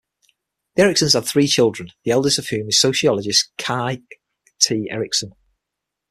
The Eriksons had three children, the eldest of whom is sociologist Kai T. Erikson.